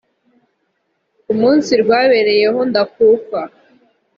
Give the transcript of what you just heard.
ku munsi rwabereyeho ndakuka